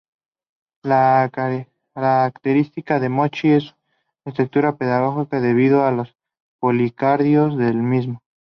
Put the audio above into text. La característica del mochi es su textura pegajosa debido a los polisacáridos del mismo.